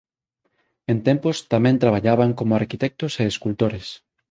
En tempos tamén traballaban como arquitectos e escultores.